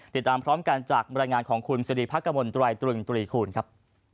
ติดตามพร้อมกันจากบรรยายงานของคุณสิริพักกมลตรายตรึงตรีคูณครับ